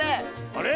あれ？